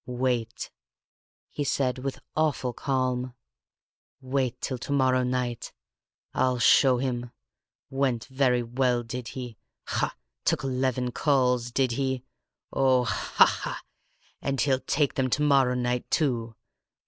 "Wait!" he said, with awful calm. "Wait till to morrow night! I'll show him! Went very well, did he? Ha! Took eleven calls, did he? Oh, ha, ha! And he'll take them to morrow night, too!